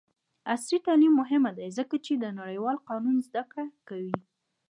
عصري تعلیم مهم دی ځکه چې د نړیوال قانون زدکړه کوي.